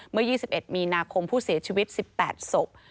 เมื่อ๒๑มีนาคมผู้เสียชีวิต๑๘ศพ